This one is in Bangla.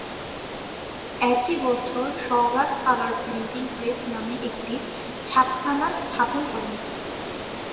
একই বছর সওগাত কালার প্রিন্টিং প্রেস নামে একটি ছাপাখানা স্থাপন করেন।